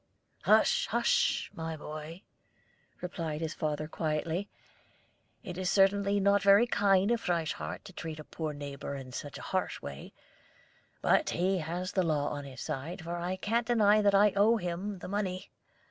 "Hush, hush, my boy!" replied his father quietly. "It is certainly not very kind of Frieshardt to treat a poor neighbor in such a harsh way; but he has the law on his side, for I can't deny that I owe him the money.